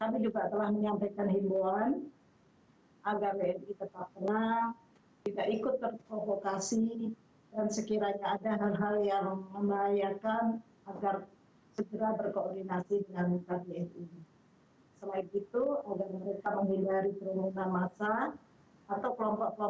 terima kasih telah menyampaikan himbauan agar wni tetap tenang tidak ikut terprovokasi dan sekiranya ada hal hal yang membahayakan agar segera berkoordinasi dengan kbri